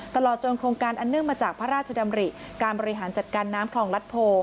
ตลอดจนโครงการอันเนื่องมาจากพระราชดำริการบริหารจัดการน้ำคลองรัฐโพ